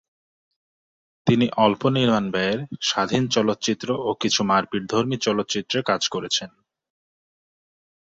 তিনি অল্প-নির্মাণ ব্যয়ের, স্বাধীন চলচ্চিত্র ও কিছু মারপিটধর্মী চলচ্চিত্রে কাজ করেছেন।